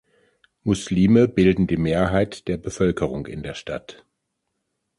Muslime bilden die Mehrheit der Bevölkerung in der Stadt.